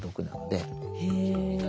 へえ。